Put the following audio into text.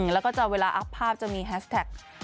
แล้วก็จะเวลาอัพภาพจะมีแฮสแท็ก